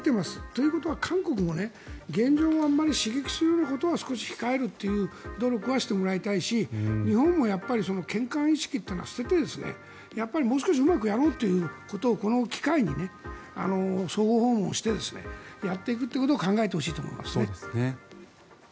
ということは韓国も現状はあまり刺激するようなことは少し控えるという努力はしてもらいたいし日本も嫌韓意識は捨ててもう少しうまくやろうということをこの機会に相互訪問してやっていくということを考えてほしいと思いますね。